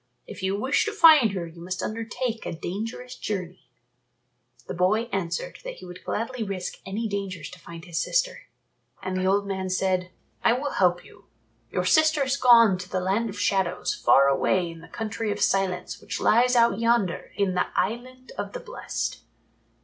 If you wish to find her you must undertake a dangerous journey." The boy answered that he would gladly risk any dangers to find his sister, and the old man said, "I will help you. Your sister has gone to the Land of Shadows far away in the Country of Silence which lies out yonder in the Island of the Blest.